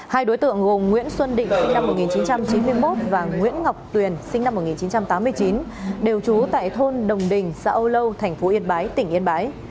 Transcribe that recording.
hai đối tượng gồm nguyễn xuân định sinh năm một nghìn chín trăm chín mươi một và nguyễn ngọc tuyền sinh năm một nghìn chín trăm tám mươi chín đều trú tại thôn đồng đình xã âu lâu thành phố yên bái tỉnh yên bái